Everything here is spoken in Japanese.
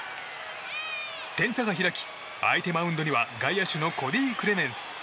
点差が開き、相手マウンドには外野手のコディ・クレメンス。